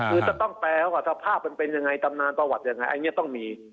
คือจะต้องแปลว่าสภาพมันเป็นยังไงตำนานประวัติยังไงอันนี้ต้องมี